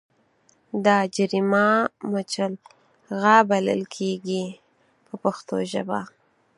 دا جریمه مچلغه بلل کېږي په پښتو ژبه.